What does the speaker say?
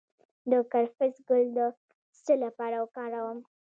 د کرفس ګل د څه لپاره وکاروم؟